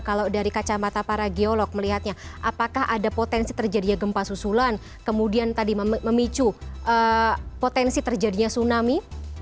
kalau dari kacamata para geolog melihatnya apakah ada potensi terjadinya gempa susulan kemudian tadi memicu potensi terjadinya tsunami